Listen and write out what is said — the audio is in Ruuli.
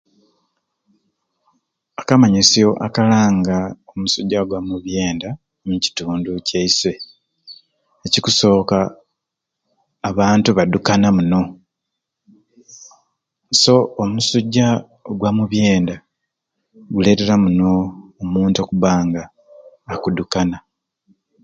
Akamanyisyo akalanga omusujja gwa mu byenda omukitundu kyaiswe, ekikusooka abantu badukana muno, so omusujja ogwa mu byenda guleetera muno omuntu okubba nga akudukana